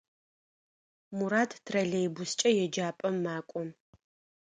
Мурат троллейбускӏэ еджапӏэм макӏо.